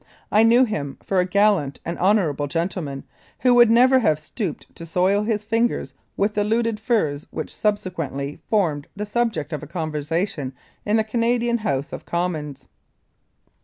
I knew him for a gallant and honourable gentleman, who would never have stooped to soil his ringers with the looted furs which subsequently formed the subject of a conversation in the Canadian House of Commons.